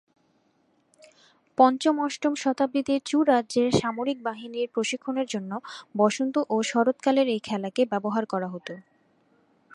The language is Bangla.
পঞ্চম-অষ্টম শতাব্দীতে 'চু' রাজ্যর সামরিক বাহিনীর প্রশিক্ষণের জন্য বসন্ত ও শরৎ কালে এই খেলাকে ব্যবহার করা হত।